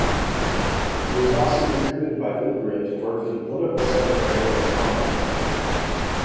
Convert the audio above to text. He was also recruited by Bukharin to work for the political secretariat of Comintern.